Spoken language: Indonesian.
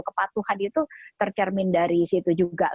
kepatuhan itu tercermin dari situ juga